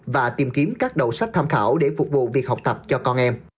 và tìm kiếm các đầu sách tham khảo để phục vụ việc học tập cho con em